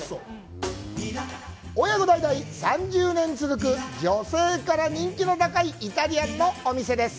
親子代々３０年続く女性から人気の高いイタリアンのお店！